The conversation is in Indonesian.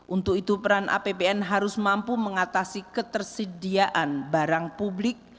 untuk itu peran apbn harus mampu mengatasi ketersediaan barang publik